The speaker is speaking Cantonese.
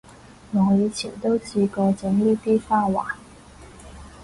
我以前都試過整呢啲花環